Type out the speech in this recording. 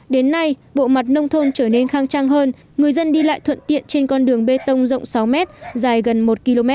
đến nay bộ mặt nông thôn trở nên khang trang hơn người dân đi lại thuận tiện trên con đường bê tông rộng sáu mét dài gần một km